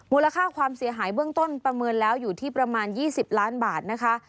ค่าความเสียหายเบื้องต้นประเมินแล้วอยู่ที่ประมาณ๒๐ล้านบาทนะคะ